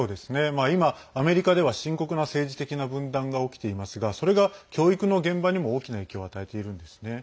今、アメリカでは深刻な政治的な分断が起きていますがそれが教育の現場にも大きな影響を与えているんですね。